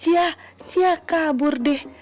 ya ya kabur deh